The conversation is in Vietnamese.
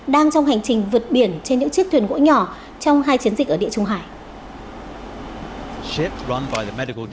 đang trong hành trình vượt biển trên những chiếc thuyền gỗ nhỏ trong hai chiến dịch ở địa trung hải